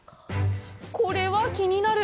これは気になる！